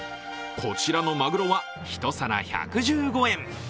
こちらのまぐろは、１皿１１５円。